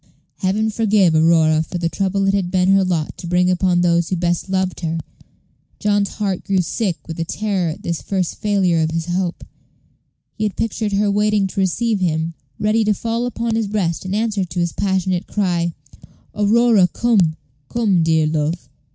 Heaven forgive Aurora for the trouble it had been her lot to bring upon those who best loved her. John's heart grew sick with terror at this first failure of his hope. He had pictured her waiting to receive him, ready to fall upon his breast in answer to his passionate cry, "Aurora, come! come, dear love!